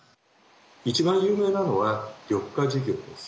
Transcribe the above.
一番有名なのは緑化事業です。